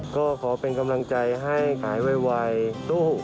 ก็ขอเป็นกำลังใจให้หายไวสู้